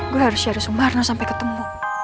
gue harus siada sumarno sampai ketemu